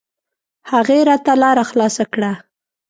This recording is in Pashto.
هغې راته لاره خلاصه کړه.